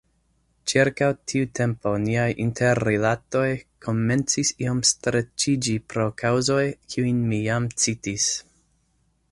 Ĉirkaŭ tiu tempo niaj interrilatoj komencis iom streĉiĝi pro kaŭzoj, kiujn mi jam citis.